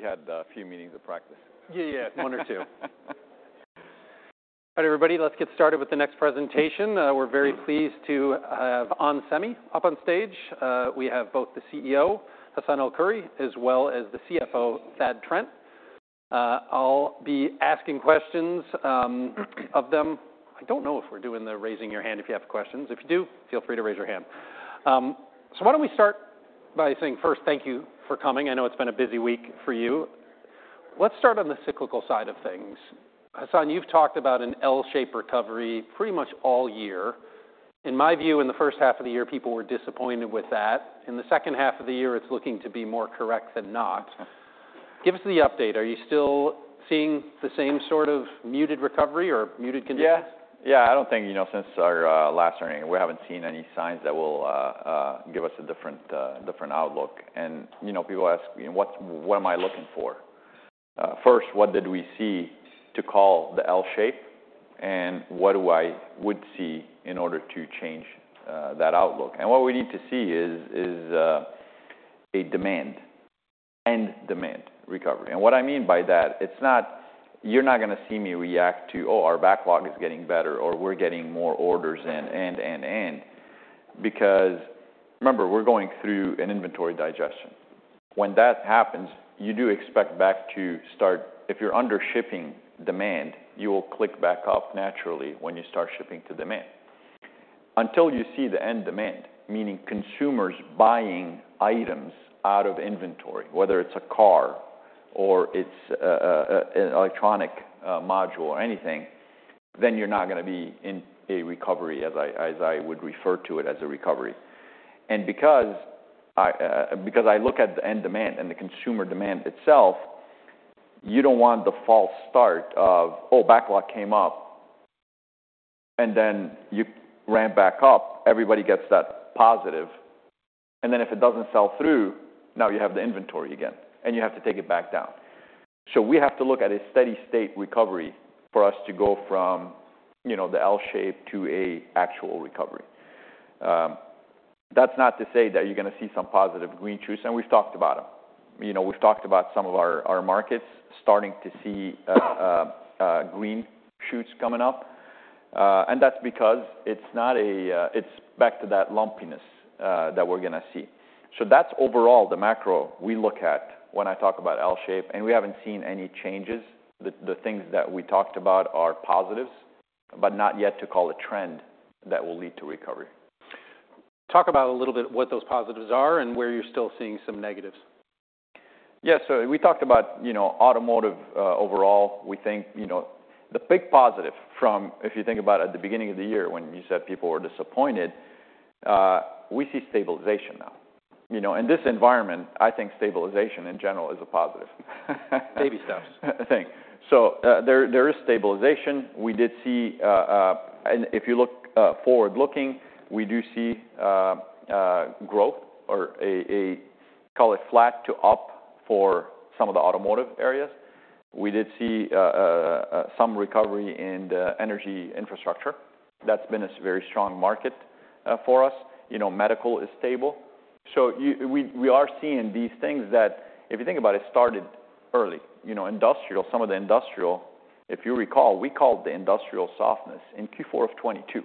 We had a few meetings of practice. Yeah, yeah, one or two. All right, everybody, let's get started with the next presentation. We're very pleased to have onsemi up on stage. We have both the CEO, Hassane El-Khoury, as well as the CFO, Thad Trent. I'll be asking questions of them. I don't know if we're doing the raising your hand if you have questions. If you do, feel free to raise your hand. So why don't we start by saying, first, thank you for coming. I know it's been a busy week for you. Let's start on the cyclical side of things. Hassane, you've talked about an L-shaped recovery pretty much all year. In my view, in the first half of the year, people were disappointed with that. In the second half of the year, it's looking to be more correct than not. Give us the update. Are you still seeing the same sort of muted recovery or muted conditions? Yeah. Yeah, I don't think, you know, since our last earnings, we haven't seen any signs that will give us a different outlook. And, you know, people ask me, what am I looking for? First, what did we see to call the L-shape, and what do I would see in order to change that outlook? And what we need to see is a demand end-demand recovery. And what I mean by that, it's not. You're not gonna see me react to, "Oh, our backlog is getting better," or, "We're getting more orders in," and because remember, we're going through an inventory digestion. When that happens, you do expect backlog to start. If you're under shipping demand, you will build back up naturally when you start shipping to demand. Until you see the end demand, meaning consumers buying items out of inventory, whether it's a car or it's an electronic module or anything, then you're not gonna be in a recovery, as I would refer to it as a recovery, and because I look at the end demand and the consumer demand itself, you don't want the false start of, oh, backlog came up, and then you ramp back up, everybody gets that positive, and then if it doesn't sell through, now you have the inventory again, and you have to take it back down, so we have to look at a steady state recovery for us to go from, you know, the L shape to an actual recovery. That's not to say that you're gonna see some positive green shoots, and we've talked about them. You know, we've talked about some of our markets starting to see green shoots coming up, and that's because it's back to that lumpiness that we're gonna see. So that's overall the macro we look at when I talk about L shape, and we haven't seen any changes. The things that we talked about are positives, but not yet to call a trend that will lead to recovery. Talk about a little bit what those positives are and where you're still seeing some negatives. Yeah, so we talked about, you know, automotive. Overall, we think, you know, the big positive from, if you think about it, the beginning of the year, when you said people were disappointed, we see stabilization now. You know, in this environment, I think stabilization in general is a positive. Baby steps. Thanks. So, there is stabilization. We did see. And if you look forward-looking, we do see growth or call it flat to up for some of the automotive areas. We did see some recovery in the energy infrastructure. That's been a very strong market for us. You know, medical is stable, so we are seeing these things that, if you think about it, started early. You know, industrial, some of the industrial, if you recall, we called the industrial softness in Q4 of 2022.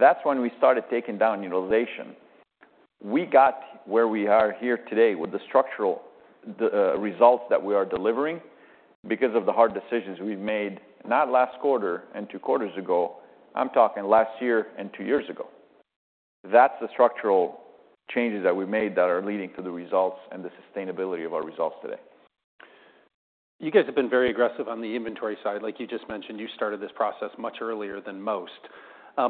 That's when we started taking down utilization. We got where we are here today with the structural, the results that we are delivering because of the hard decisions we've made, not last quarter and two quarters ago. I'm talking last year and two years ago. That's the structural changes that we've made that are leading to the results and the sustainability of our results today. You guys have been very aggressive on the inventory side. Like you just mentioned, you started this process much earlier than most. Do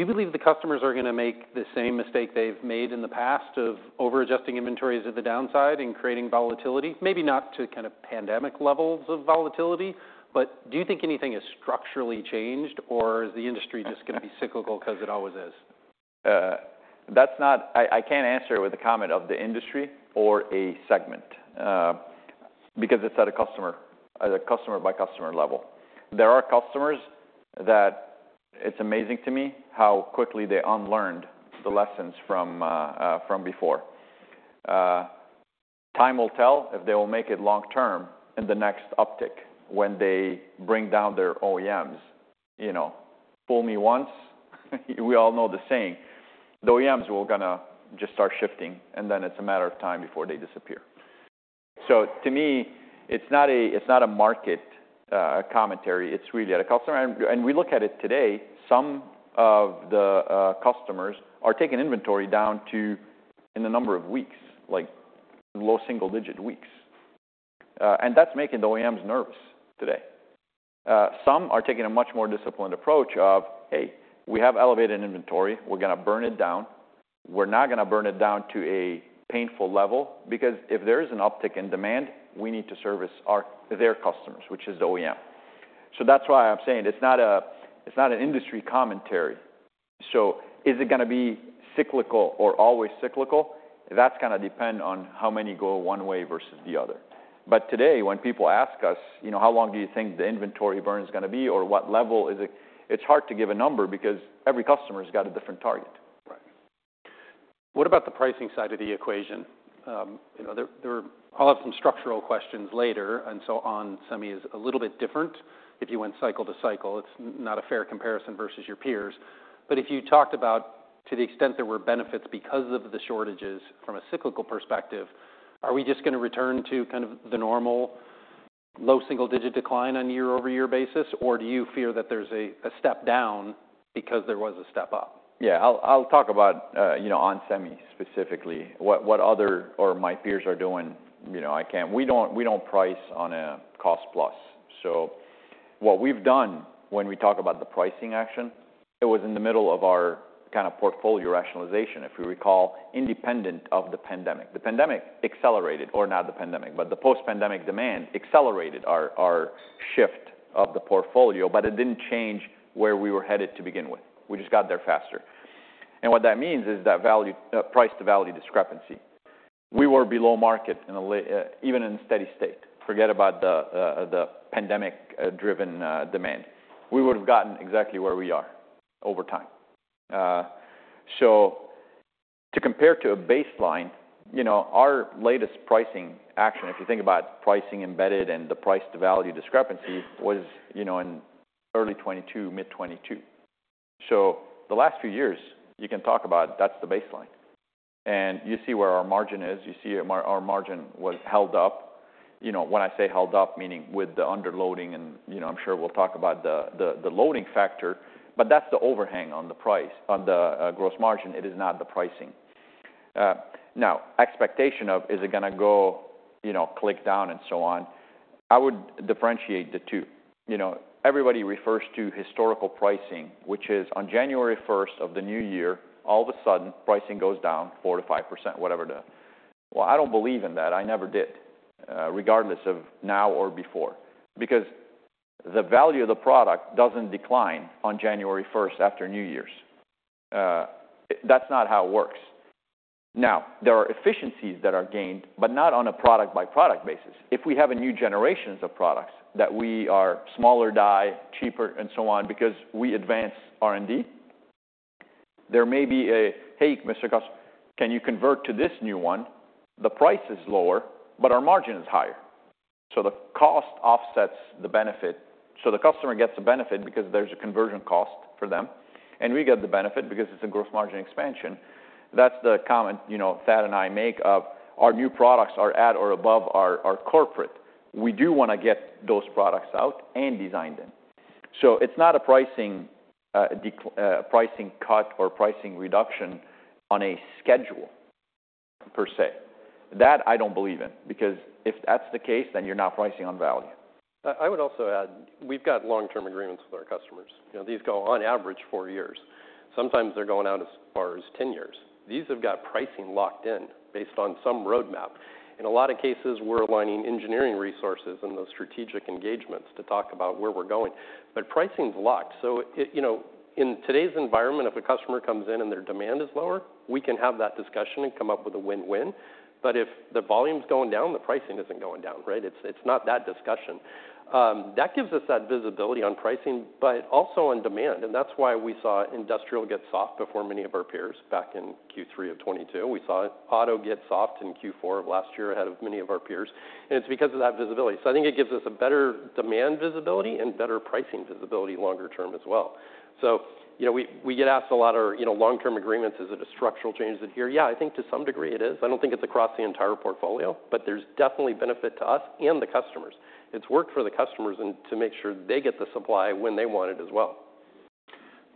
you believe the customers are gonna make the same mistake they've made in the past of over-adjusting inventories at the downside and creating volatility? Maybe not to kind of pandemic levels of volatility, but do you think anything has structurally changed, or is the industry just gonna be cyclical 'cause it always is? That's not. I can't answer it with a comment of the industry or a segment, because it's at a customer, at a customer-by-customer level. There are customers that it's amazing to me how quickly they unlearned the lessons from before. Time will tell if they will make it long-term in the next uptick when they bring down their OEMs. You know, fool me once, we all know the saying. The OEMs were gonna just start shifting, and then it's a matter of time before they disappear. So to me, it's not a market commentary, it's really at a customer. And we look at it today, some of the customers are taking inventory down to, in a number of weeks, like low single-digit weeks, and that's making the OEMs nervous today. Some are taking a much more disciplined approach of, "Hey, we have elevated inventory. We're gonna burn it down. We're not gonna burn it down to a painful level, because if there is an uptick in demand, we need to service our- their customers, which is the OEM." So that's why I'm saying it's not a, it's not an industry commentary. So is it gonna be cyclical or always cyclical? That's gonna depend on how many go one way versus the other. But today, when people ask us, you know, "How long do you think the inventory burn is gonna be?" or, "What level is it?" It's hard to give a number because every customer's got a different target.... What about the pricing side of the equation? You know, there are- I'll have some structural questions later, and so onsemi is a little bit different. If you went cycle to cycle, it's not a fair comparison versus your peers. But if you talked about, to the extent there were benefits because of the shortages from a cyclical perspective, are we just gonna return to kind of the normal low single-digit decline on a year-over-year basis? Or do you fear that there's a step down because there was a step up? Yeah, I'll talk about, you know, onsemi specifically. What other or my peers are doing, you know, I can't. We don't price on a cost plus. So what we've done when we talk about the pricing action, it was in the middle of our kind of portfolio rationalization, if you recall, independent of the pandemic. The pandemic accelerated, or not the pandemic, but the post-pandemic demand accelerated our shift of the portfolio, but it didn't change where we were headed to begin with. We just got there faster, and what that means is that value price to value discrepancy. We were below market, even in steady state. Forget about the pandemic driven demand. We would've gotten exactly where we are over time. So to compare to a baseline, you know, our latest pricing action, if you think about pricing embedded and the price to value discrepancy, was, you know, in early 2022, mid 2022. So the last few years, you can talk about, that's the baseline, and you see where our margin is. You see our margin was held up. You know, when I say held up, meaning with the underloading and, you know, I'm sure we'll talk about the loading factor, but that's the overhang on the price, on the gross margin. It is not the pricing. Now, expectation of, is it gonna go, you know, click down and so on? I would differentiate the two. You know, everybody refers to historical pricing, which is on January 1st of the new year, all of a sudden, pricing goes down 4%-5%. Well, I don't believe in that. I never did, regardless of now or before, because the value of the product doesn't decline on January 1st after New Year's. That's not how it works. Now, there are efficiencies that are gained, but not on a product-by-product basis. If we have a new generations of products that we are smaller die, cheaper, and so on, because we advance R&D, there may be a, "Hey, Mr. Customer, can you convert to this new one? The price is lower, but our margin is higher." So the cost offsets the benefit. So the customer gets the benefit because there's a conversion cost for them, and we get the benefit because it's a gross margin expansion. That's the comment, you know, Thad and I make of our new products are at or above our corporate. We do want to get those products out and design them. So it's not a pricing cut or pricing reduction on a schedule, per se. That I don't believe in, because if that's the case, then you're not pricing on value. I would also add, we've got long-term agreements with our customers. You know, these go on average four years. Sometimes they're going out as far as ten years. These have got pricing locked in based on some roadmap. In a lot of cases, we're aligning engineering resources and those strategic engagements to talk about where we're going. But pricing's locked, so it, you know, in today's environment, if a customer comes in and their demand is lower, we can have that discussion and come up with a win-win. But if the volume's going down, the pricing isn't going down, right? It's not that discussion. That gives us that visibility on pricing, but also on demand, and that's why we saw industrial get soft before many of our peers back in Q3 of 2022. We saw auto get soft in Q4 of last year ahead of many of our peers, and it's because of that visibility, so I think it gives us a better demand visibility and better pricing visibility longer term as well, so you know, we get asked a lot, are you know long-term agreements, is it a structural change is here? Yeah, I think to some degree it is. I don't think it's across the entire portfolio, but there's definitely benefit to us and the customers. It's worked for the customers and to make sure they get the supply when they want it as well.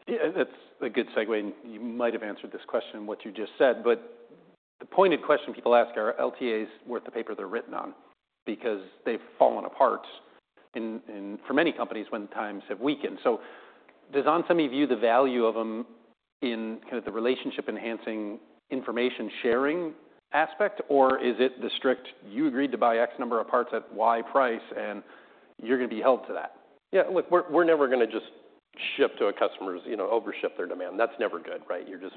Yeah, that's a good segue, and you might have answered this question in what you just said, but the pointed question people ask, are LTAs worth the paper they're written on? Because they've fallen apart in for many companies when times have weakened. So does onsemi view the value of them in kind of the relationship-enhancing, information-sharing aspect, or is it the strict, "You agreed to buy X number of parts at Y price, and you're gonna be held to that? Yeah, look, we're never gonna just ship to a customer's, you know, overship their demand. That's never good, right? You're just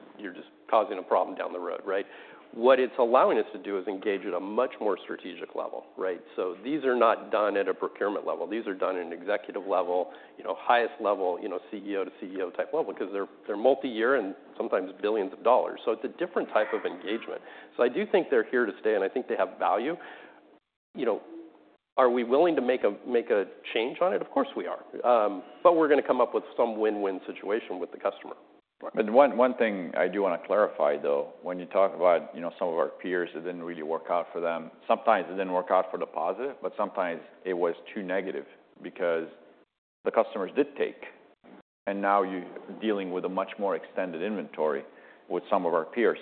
causing a problem down the road, right? What it's allowing us to do is engage at a much more strategic level, right? So these are not done at a procurement level. These are done at an executive level, you know, highest level, you know, CEO-to-CEO type level, because they're multiyear and sometimes billions of dollars. So it's a different type of engagement. So I do think they're here to stay, and I think they have value. You know, are we willing to make a change on it? Of course we are. But we're gonna come up with some win-win situation with the customer. But one thing I do want to clarify, though, when you talk about, you know, some of our peers, it didn't really work out for them. Sometimes it didn't work out for the positive, but sometimes it was too negative because the customers did take, and now you're dealing with a much more extended inventory with some of our peers.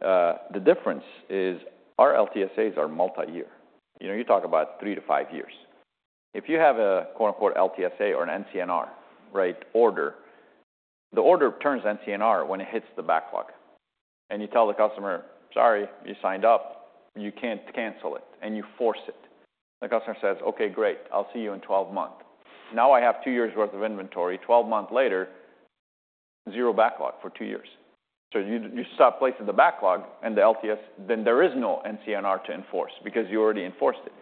The difference is our LTSAs are multiyear. You know, you talk about three to five years. If you have a quote, unquote, "LTSA or an NCNR," right, order, the order turns NCNR when it hits the backlog. And you tell the customer, "Sorry, you signed up. You can't cancel it," and you force it. The customer says, "Okay, great, I'll see you in 12 months." Now I have two years' worth of inventory. 12 months later, zero backlog for two years. So you stop placing the backlog and the LTS, then there is no NCNR to enforce because you already enforced it,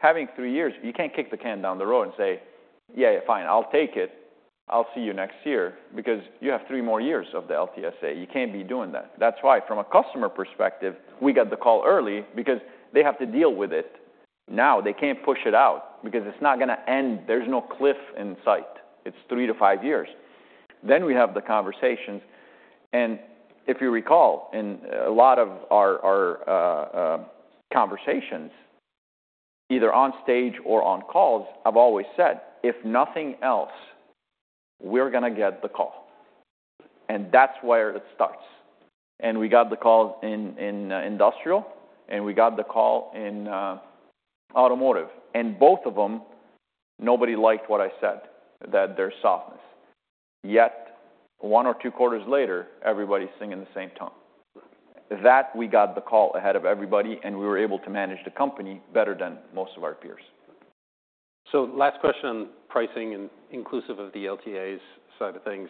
having three years, you can't kick the can down the road and say, "Yeah, yeah, fine, I'll take it. I'll see you next year," because you have three more years of the LTSA. You can't be doing that. That's why, from a customer perspective, we got the call early because they have to deal with it now. They can't push it out because it's not gonna end. There's no cliff in sight. It's three to five years. Then we have the conversations, and if you recall, in a lot of our conversations, either on stage or on calls, I've always said, "If nothing else, we're gonna get the call," and that's where it starts. And we got the call in industrial, and we got the call in automotive. And both of them, nobody liked what I said, that there's softness, yet one or two quarters later, everybody's singing the same tune. That we got the call ahead of everybody, and we were able to manage the company better than most of our peers. Last question on pricing and inclusive of the LTAs side of things.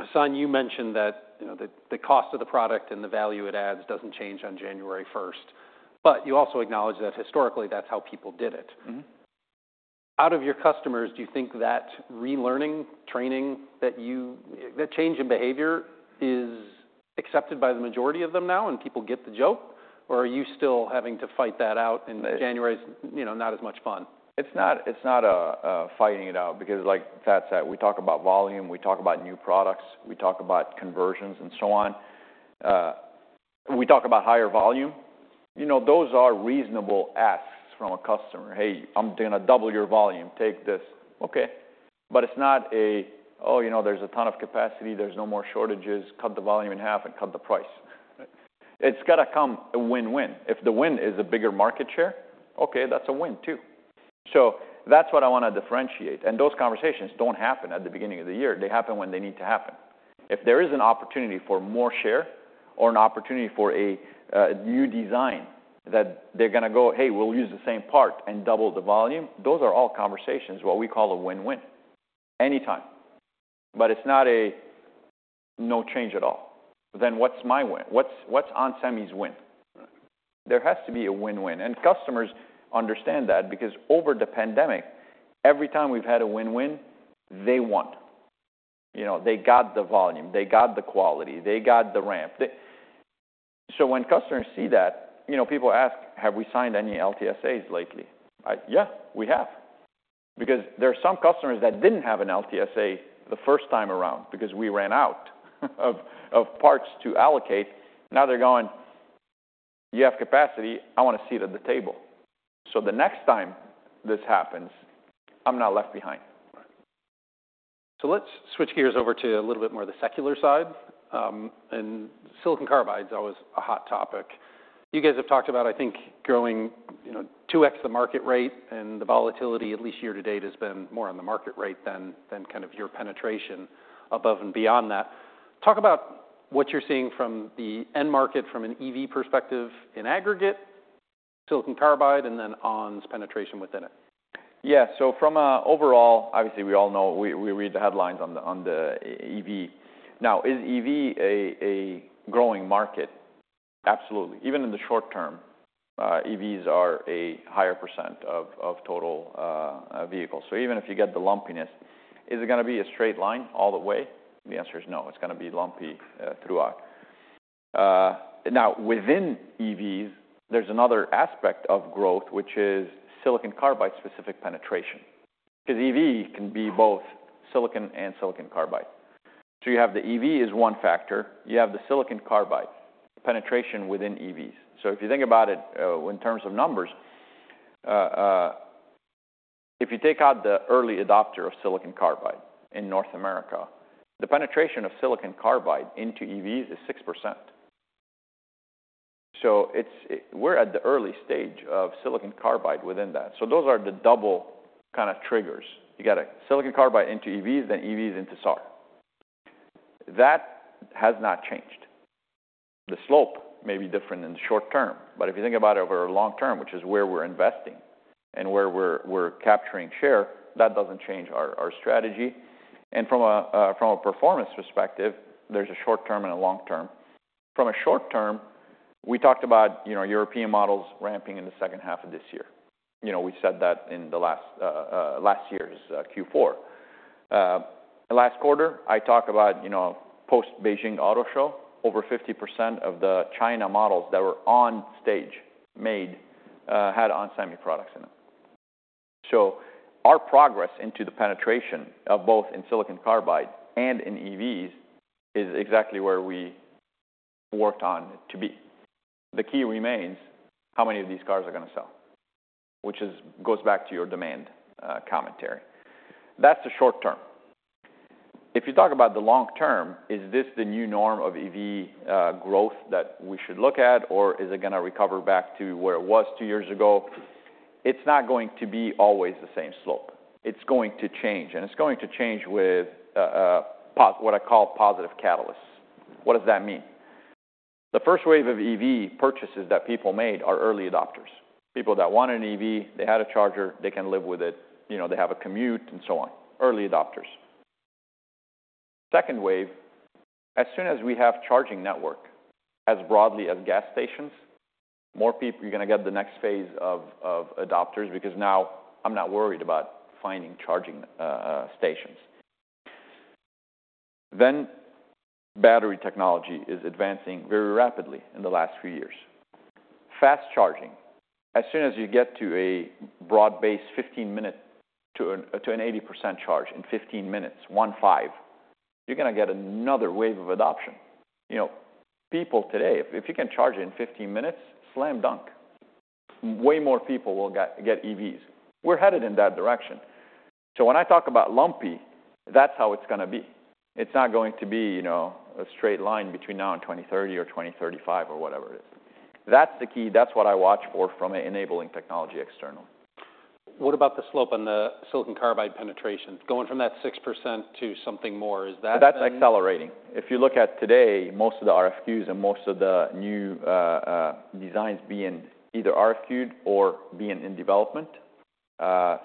Hassane, you mentioned that, you know, the cost of the product and the value it adds doesn't change on January 1st, but you also acknowledge that historically, that's how people did it. Mm-hmm. Out of your customers, do you think that relearning, training, that the change in behavior is accepted by the majority of them now, and people get the joke? Or are you still having to fight that out, and January's, you know, not as much fun? It's not fighting it out because like Thad said, we talk about volume, we talk about new products, we talk about conversions, and so on. We talk about higher volume. You know, those are reasonable asks from a customer, "Hey, I'm gonna double your volume. Take this." Okay, but it's not, "Oh, you know, there's a ton of capacity, there's no more shortages, cut the volume in half, and cut the price." It's got to be a win-win. If the win is a bigger market share, okay, that's a win, too. So that's what I want to differentiate, and those conversations don't happen at the beginning of the year. They happen when they need to happen. If there is an opportunity for more share or an opportunity for a new design, that they're gonna go, "Hey, we'll use the same part and double the volume," those are all conversations, what we call a win-win, anytime. But it's not a no change at all. Then what's my win? What's onsemi's win? Right. There has to be a win-win, and customers understand that because over the pandemic, every time we've had a win-win, they won. You know, they got the volume, they got the quality, they got the ramp. They. So when customers see that, you know, people ask, "Have we signed any LTSAs lately?" I. Yeah, we have, because there are some customers that didn't have an LTSA the first time around because we ran out of parts to allocate. Now they're going, "You have capacity. I want a seat at the table, so the next time this happens, I'm not left behind. Right. So let's switch gears over to a little bit more of the secular side, and silicon carbide's always a hot topic. You guys have talked about, I think, growing, you know, two X the market rate, and the volatility, at least year to date, has been more on the market rate than kind of your penetration above and beyond that. Talk about what you're seeing from the end market, from an EV perspective, in aggregate, silicon carbide, and then On's penetration within it. Yeah. So from a overall, obviously, we all know, we read the headlines on the EV. Now, is EV a growing market? Absolutely. Even in the short term, EVs are a higher percent of total vehicles. So even if you get the lumpiness, is it gonna be a straight line all the way? The answer is no. It's gonna be lumpy throughout. Now, within EVs, there's another aspect of growth, which is silicon carbide-specific penetration, because EV can be both silicon and silicon carbide. So you have the EV as one factor, you have the silicon carbide penetration within EVs. So if you think about it, in terms of numbers, if you take out the early adopter of silicon carbide in North America, the penetration of silicon carbide into EVs is 6%. So we're at the early stage of silicon carbide within that. So those are the double kind of triggers. You got a silicon carbide into EVs, then EVs into SAR. That has not changed. The slope may be different in the short term, but if you think about it over long term, which is where we're investing and where we're capturing share, that doesn't change our strategy, and from a performance perspective, there's a short term and a long term. From a short term, we talked about, you know, European models ramping in the second half of this year. You know, we said that in last year's Q4. Last quarter, I talked about, you know, post Beijing Auto Show. Over 50% of the China models that were on stage had onsemi products in them. So our progress into the penetration of both in silicon carbide and in EVs is exactly where we worked on to be. The key remains, how many of these cars are gonna sell? Which is goes back to your demand commentary. That's the short term. If you talk about the long term, is this the new norm of EV growth that we should look at, or is it gonna recover back to where it was two years ago? It's not going to be always the same slope. It's going to change, and it's going to change with what I call positive catalysts. What does that mean? The first wave of EV purchases that people made are early adopters. People that want an EV, they had a charger, they can live with it, you know, they have a commute, and so on. Early adopters. Second wave, as soon as we have charging network as broadly as gas stations, more people, you're gonna get the next phase of adopters, because now I'm not worried about finding charging stations. Then battery technology is advancing very rapidly in the last few years. Fast charging, as soon as you get to a broad-based 15-minute to an 80% charge in 15 minutes, you're gonna get another wave of adoption. You know, people today, if you can charge in 15 minutes, slam dunk! Way more people will get EVs. We're headed in that direction. So when I talk about lumpy, that's how it's gonna be. It's not going to be, you know, a straight line between now and 2030 or 2035, or whatever it is. That's the key, that's what I watch for from an enabling technology external. What about the slope on the silicon carbide penetration? Going from that 6% to something more, is that- That's accelerating. If you look at today, most of the RFQs and most of the new designs being either RFQ-ed or being in development,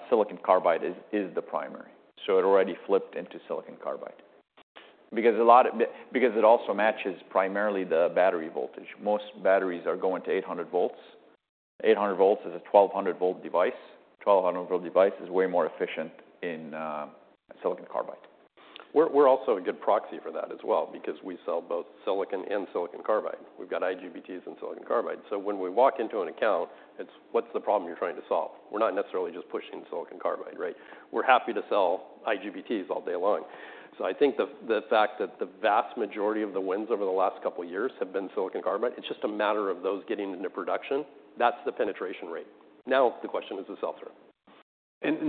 silicon carbide is the primary. So it already flipped into silicon carbide. Because it also matches primarily the battery voltage. Most batteries are going to eight hundred volts. Eight hundred volts is a twelve hundred volt device. Twelve hundred volt device is way more efficient in silicon carbide. We're also a good proxy for that as well, because we sell both silicon and silicon carbide. We've got IGBTs and silicon carbide. So when we walk into an account, it's, "What's the problem you're trying to solve?" We're not necessarily just pushing silicon carbide, right? We're happy to sell IGBTs all day long. So I think the fact that the vast majority of the wins over the last couple of years have been silicon carbide, it's just a matter of those getting into production. That's the penetration rate. Now, the question is the sell-through.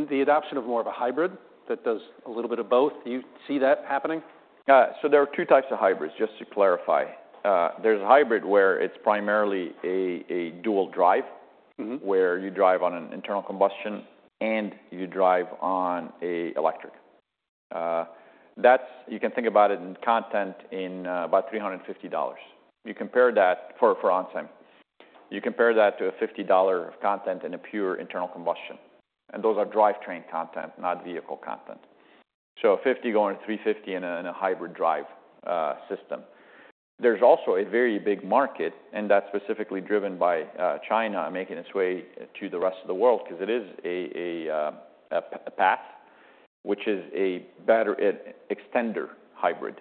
The adoption of more of a hybrid that does a little bit of both, do you see that happening? So there are two types of hybrids, just to clarify. There's a hybrid where it's primarily a dual drive- Mm-hmm. -where you drive on an internal combustion and you drive on a electric. That's, you can think about it in content in, about $350. You compare that for onsemi, you compare that to a $50 content in a pure internal combustion, and those are drivetrain content, not vehicle content. So $50 going to $350 in a, in a hybrid drive, system. There's also a very big market, and that's specifically driven by, China, making its way to the rest of the world, 'cause it is a path which is a battery extender hybrid,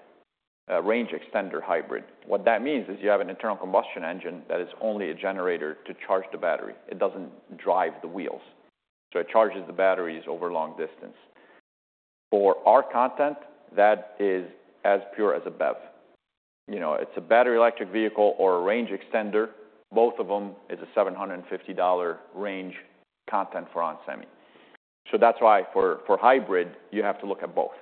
a range extender hybrid. What that means is you have an internal combustion engine that is only a generator to charge the battery. It doesn't drive the wheels, so it charges the batteries over long distance. For our content, that is as pure as a BEV. You know, it's a battery electric vehicle or a range extender, both of them is a $750 range content for onsemi. So that's why for hybrid, you have to look at both.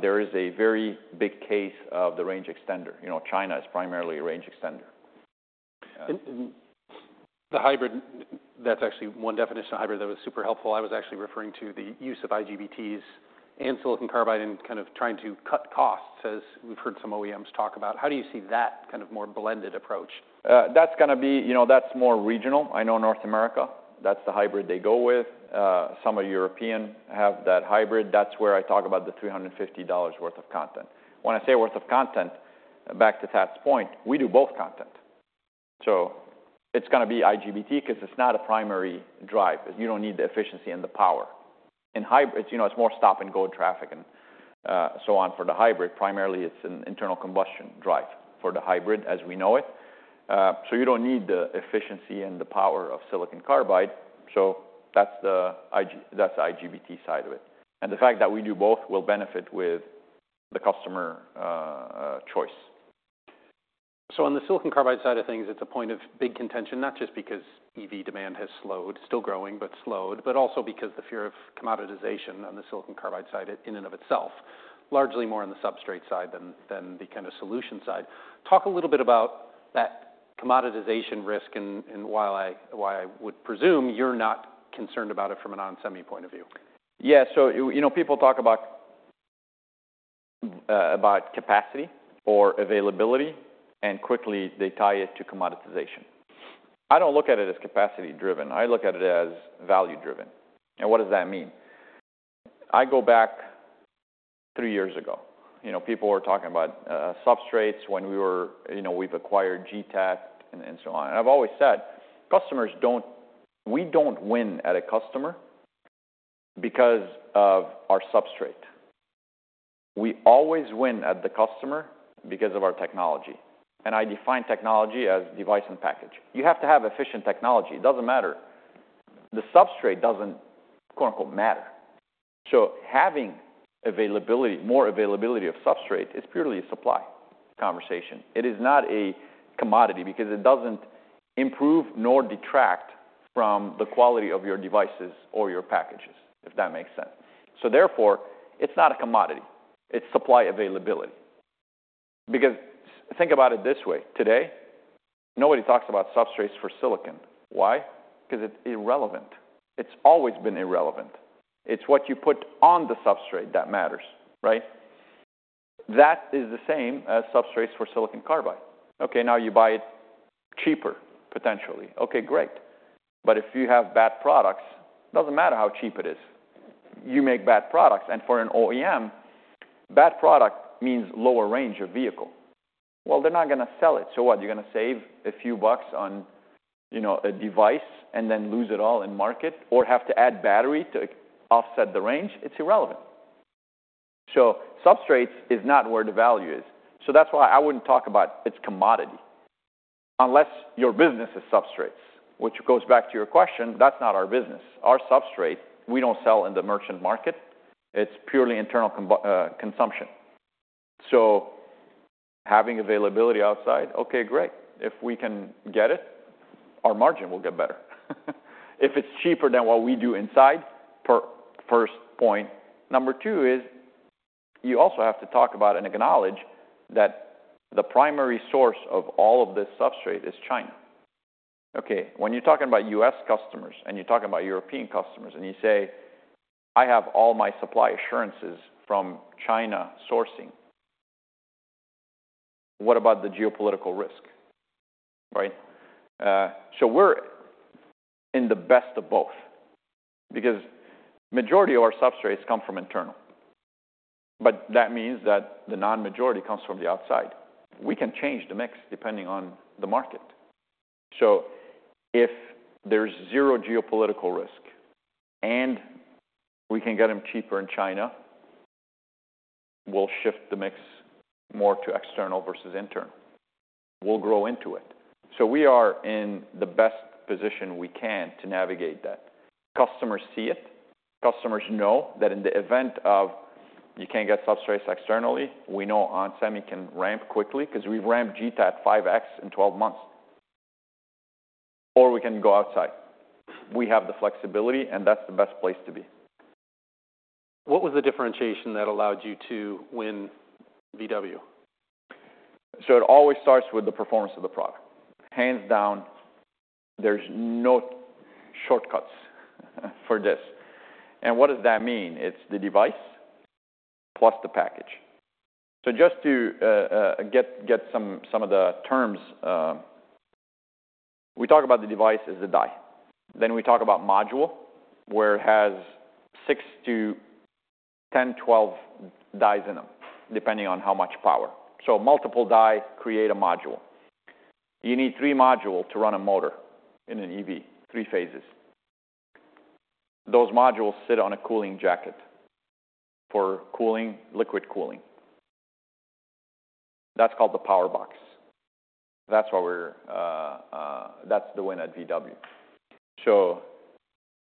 There is a very big case of the range extender. You know, China is primarily a range extender. The hybrid, that's actually one definition of hybrid that was super helpful. I was actually referring to the use of IGBTs and silicon carbide in kind of trying to cut costs, as we've heard some OEMs talk about. How do you see that kind of more blended approach? That's gonna be, you know, that's more regional. I know in North America, that's the hybrid they go with. Some are European, have that hybrid. That's where I talk about the $350 worth of content. When I say worth of content, back to Thad's point, we do both content. So it's gonna be IGBT, 'cause it's not a primary drive. You don't need the efficiency and the power. In hybrids, you know, it's more stop-and-go traffic and so on. For the hybrid, primarily it's an internal combustion drive for the hybrid as we know it. So you don't need the efficiency and the power of silicon carbide, so that's the IGBT side of it. And the fact that we do both will benefit with the customer choice. So on the silicon carbide side of things, it's a point of big contention, not just because EV demand has slowed, still growing, but slowed, but also because the fear of commoditization on the silicon carbide side in and of itself, largely more on the substrate side than the kind of solution side. Talk a little bit about that commoditization risk and why I would presume you're not concerned about it from an onsemi point of view. Yeah, so, you know, people talk about about capacity or availability, and quickly they tie it to commoditization. I don't look at it as capacity-driven, I look at it as value-driven. And what does that mean? I go back three years ago, you know, people were talking about substrates when we were. You know, we've acquired GTAT and so on. And I've always said, we don't win at a customer because of our substrate. We always win at the customer because of our technology, and I define technology as device and package. You have to have efficient technology. It doesn't matter. The substrate doesn't, quote, unquote, "matter." So having availability, more availability of substrate is purely a supply conversation. It is not a commodity, because it doesn't improve nor detract from the quality of your devices or your packages, if that makes sense. Therefore, it's not a commodity, it's supply availability. Because think about it this way, today, nobody talks about substrates for silicon. Why? 'Cause it's irrelevant. It's always been irrelevant. It's what you put on the substrate that matters, right? That is the same as substrates for silicon carbide. Okay, now you buy it cheaper, potentially. Okay, great. But if you have bad products, doesn't matter how cheap it is, you make bad products. And for an OEM, bad product means lower range of vehicle. They're not gonna sell it, so what? You're gonna save a few bucks on, you know, a device and then lose it all in market or have to add battery to offset the range? It's irrelevant. Substrate is not where the value is. That's why I wouldn't talk about its commodity, unless your business is substrates, which goes back to your question. That's not our business. Our substrate, we don't sell in the merchant market. It's purely internal consumption. So having availability outside, okay, great. If we can get it, our margin will get better. If it's cheaper than what we do inside, first point. Number two is, you also have to talk about and acknowledge that the primary source of all of this substrate is China. Okay, when you're talking about U.S. customers, and you're talking about European customers, and you say, "I have all my supply assurances from China sourcing," what about the geopolitical risk, right? So we're in the best of both, because majority of our substrates come from internal. But that means that the non-majority comes from the outside. We can change the mix depending on the market. So if there's zero geopolitical risk, and we can get them cheaper in China, we'll shift the mix more to external versus internal. We'll grow into it. So we are in the best position we can to navigate that. Customers see it. Customers know that in the event of you can't get substrates externally, we know onsemi can ramp quickly, 'cause we've ramped GTAT five X in 12 months. Or we can go outside. We have the flexibility, and that's the best place to be. What was the differentiation that allowed you to win VW? It always starts with the performance of the product. Hands down, there's no shortcuts for this. What does that mean? It's the device plus the package. So just to get some of the terms, we talk about the device as the die. Then we talk about module, where it has six to 10, 12 dies in them, depending on how much power. So multiple die create a module. You need three module to run a motor in an EV, three phases. Those modules sit on a cooling jacket for cooling, liquid cooling. That's called the power box. That's why we're, that's the win at VW. So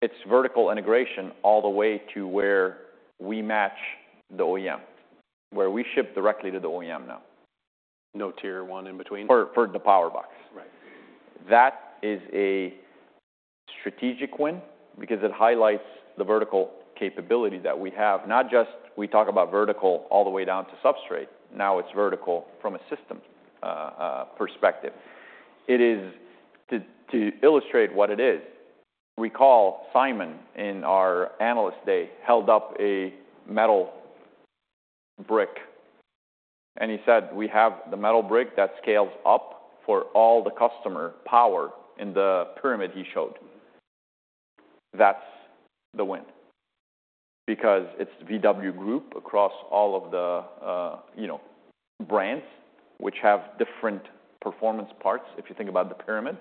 it's vertical integration all the way to where we match the OEM, where we ship directly to the OEM now. No tier one in between? For the power box. Right. That is a strategic win because it highlights the vertical capability that we have. Not just we talk about vertical all the way down to substrate, now it's vertical from a system perspective. It is. To illustrate what it is, recall Simon, in our Analyst Day, held up a metal brick, and he said, "We have the metal brick that scales up for all the customer power" in the pyramid he showed. That's the win, because it's VW Group across all of the brands, which have different performance parts, if you think about the pyramid,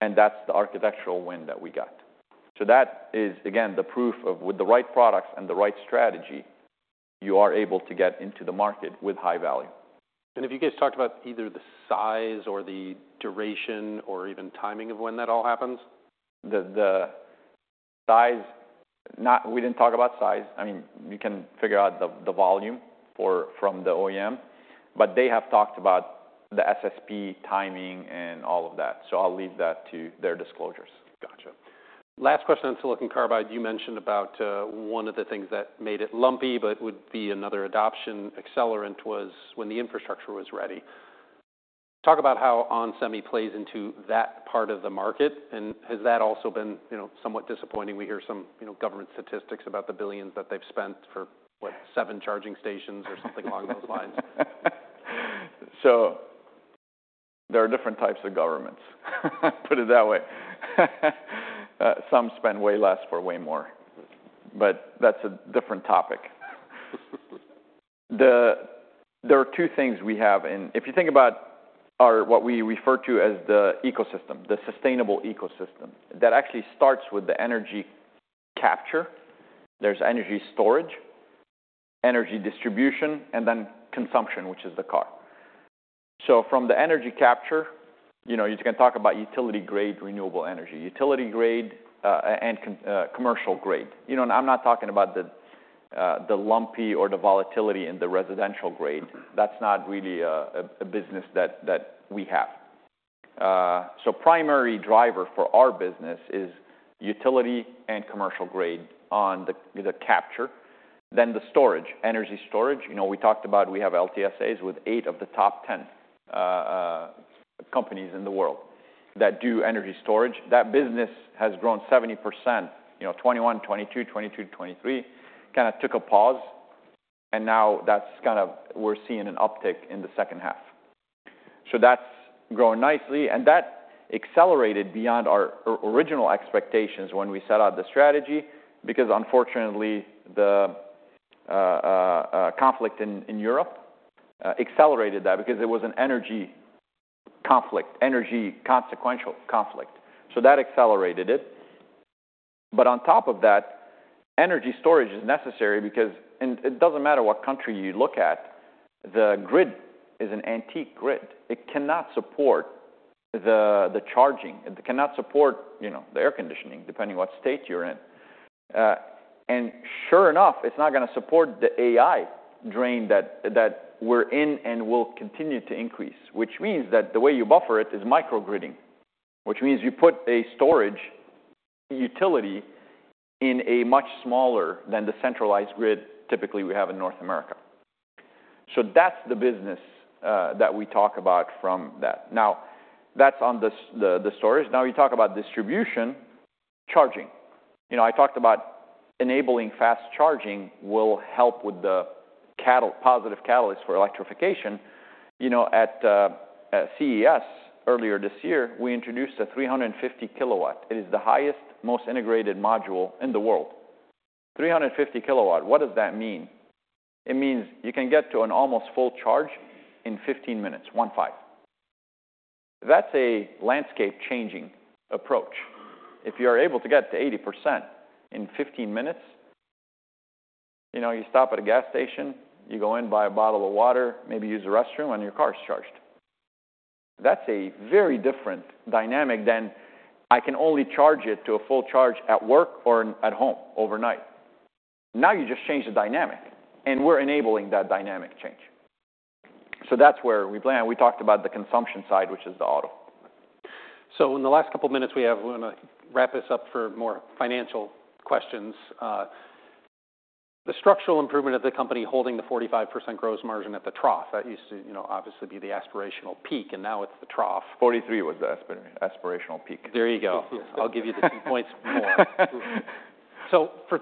and that's the architectural win that we got. So that is, again, the proof of with the right products and the right strategy, you are able to get into the market with high value. Have you guys talked about either the size or the duration or even timing of when that all happens? The size, we didn't talk about size. I mean, you can figure out the volume from the OEM, but they have talked about the SSP timing and all of that, so I'll leave that to their disclosures. Gotcha. Last question on silicon carbide. You mentioned about one of the things that made it lumpy but would be another adoption accelerant was when the infrastructure was ready. Talk about how onsemi plays into that part of the market, and has that also been, you know, somewhat disappointing? We hear some, you know, government statistics about the billions that they've spent for, what, seven charging stations or something along those lines. So there are different types of governments. Put it that way. Some spend way less for way more, but that's a different topic. There are two things we have, and if you think about our, what we refer to as the ecosystem, the sustainable ecosystem, that actually starts with the energy capture. There's energy storage, energy distribution, and then consumption, which is the car. So from the energy capture, you know, you can talk about utility-grade renewable energy, utility-grade, and commercial grade. You know, and I'm not talking about the, the lumpy or the volatility in the residential grade. That's not really a business that we have. So primary driver for our business is utility and commercial grade on the capture, then the storage, energy storage. You know, we talked about, we have LTSAs with eight of the top 10 companies in the world that do energy storage. That business has grown 70%, you know, 2021, 2022, 2022 to 2023. Kind of took a pause, and now that's kind of, we're seeing an uptick in the second half. So that's growing nicely, and that accelerated beyond our original expectations when we set out the strategy, because unfortunately, the conflict in Europe accelerated that because it was an energy conflict, energy consequential conflict. So that accelerated it. But on top of that, energy storage is necessary because, and it doesn't matter what country you look at, the grid is an antique grid. It cannot support the charging. It cannot support, you know, the air conditioning, depending on what state you're in. And sure enough, it's not gonna support the AI drain that we're in and will continue to increase, which means that the way you buffer it is micro gridding, which means you put a storage utility in a much smaller than the centralized grid typically we have in North America. So that's the business that we talk about from that. Now, that's on the the storage. Now, you talk about distribution, charging. You know, I talked about enabling fast charging will help with the positive catalyst for electrification. You know, at CES earlier this year, we introduced a three hundred and fifty kilowatt. It is the highest, most integrated module in the world. A 350 kw, what does that mean? It means you can get to an almost full charge in fifteen minutes, one, five. That's a landscape-changing approach. If you are able to get to 80% in 15 minutes, you know, you stop at a gas station, you go in, buy a bottle of water, maybe use the restroom, and your car is charged. That's a very different dynamic than I can only charge it to a full charge at work or at home overnight. Now you just change the dynamic, and we're enabling that dynamic change. So that's where we plan. We talked about the consumption side, which is the auto. So in the last couple minutes, we want to wrap this up for more financial questions. The structural improvement of the company holding the 45% gross margin at the trough, that used to, you know, obviously be the aspirational peak, and now it's the trough. 43 was the aspirational peak. There you go. I'll give you the two points more. So for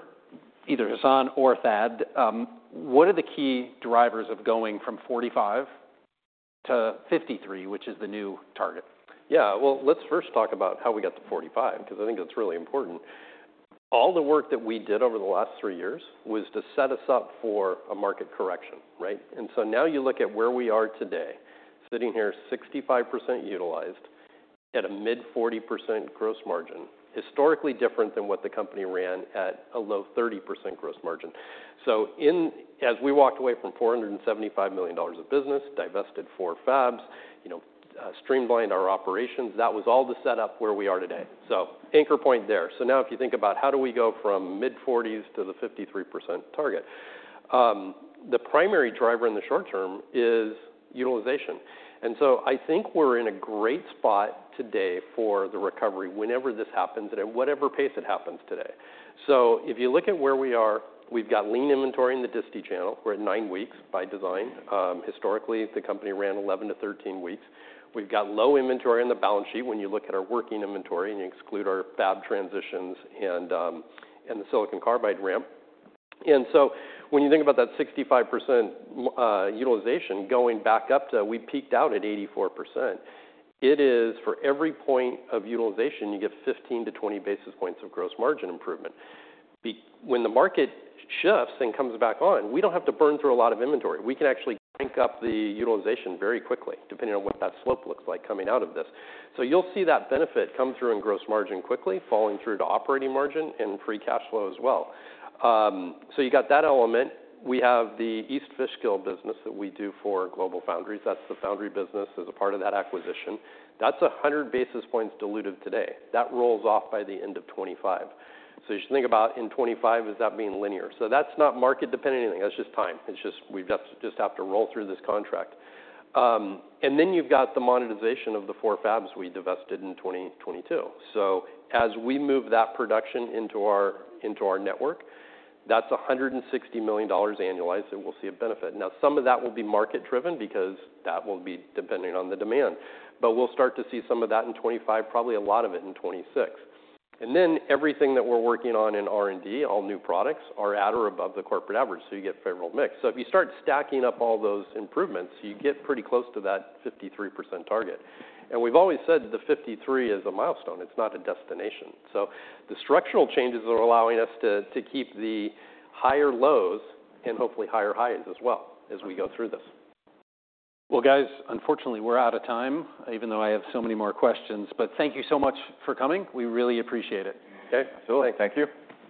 either Hassane or Thad, what are the key drivers of going from 45 to 53, which is the new target? Yeah. Well, let's first talk about how we got to 45, because I think it's really important. All the work that we did over the last three years was to set us up for a market correction, right? And so now you look at where we are today, sitting here, 65% utilized at a mid-40% gross margin, historically different than what the company ran at a low 30% gross margin. So as we walked away from $475 million of business, divested four fabs, you know, streamlined our operations, that was all to set up where we are today. So anchor point there. So now if you think about how do we go from mid-40s to the 53% target, the primary driver in the short term is utilization. And so I think we're in a great spot today for the recovery, whenever this happens and at whatever pace it happens today. So if you look at where we are, we've got lean inventory in the disti channel. We're at nine weeks by design. Historically, the company run 11-13 weeks. We've got low inventory on the balance sheet when you look at our working inventory, and you exclude our fab transitions and the silicon carbide ramp. And so when you think about that 65% utilization going back up to... We peaked out at 84%. It is for every point of utilization, you get 15 to 20 basis points of gross margin improvement. When the market shifts and comes back on, we don't have to burn through a lot of inventory. We can actually crank up the utilization very quickly, depending on what that slope looks like coming out of this, so you'll see that benefit come through in gross margin quickly, falling through to operating margin and free cash flow as well, so you got that element. We have the East Fishkill business that we do for GlobalFoundries. That's the foundry business as a part of that acquisition. That's a hundred basis points dilutive today. That rolls off by the end of 2025, so you should think about in 2025, is that being linear, so that's not market dependent or anything. That's just time. It's just we have to roll through this contract, and then you've got the monetization of the four fabs we divested in 2022. So as we move that production into our, into our network, that's $160 million annualized, and we'll see a benefit. Now, some of that will be market-driven because that will be depending on the demand, but we'll start to see some of that in 2025, probably a lot of it in 2026. And then everything that we're working on in R&D, all new products, are at or above the corporate average, so you get favorable mix. So if you start stacking up all those improvements, you get pretty close to that 53% target. And we've always said the 53% is a milestone. It's not a destination. So the structural changes are allowing us to, to keep the higher lows and hopefully higher highs as well, as we go through this. Guys, unfortunately, we're out of time, even though I have so many more questions. Thank you so much for coming. We really appreciate it. Okay. Absolutely. Thank you.